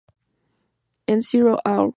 En "Zero Hour!